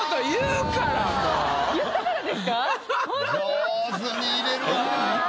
上手に入れるわ。